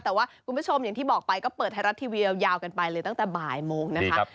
แต่ว่าคุณผู้ชมอย่างที่บอกไปก็เปิดไทยรัฐทีวียาวกันไปเลยตั้งแต่บ่ายโมงนะคะ